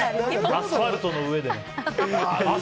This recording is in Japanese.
「アスファルトの上で」。